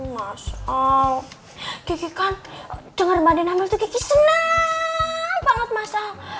masal kiki kan denger mading hamil seneng banget masal